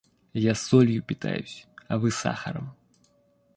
Я солью питаюсь, а вы сахаром.